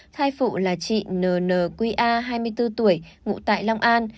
thai phụ là chị n n q a hai mươi bốn tuổi ngụ tại long an